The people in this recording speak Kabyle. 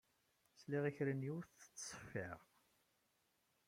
Sliɣ i kra n yiwet tettṣeffiṛ